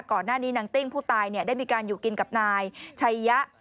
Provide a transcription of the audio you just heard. นางติ้งผู้ตายได้มีการอยู่กินกับนายชัยยะ